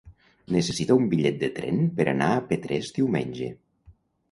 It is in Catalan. Necessito un bitllet de tren per anar a Petrés diumenge.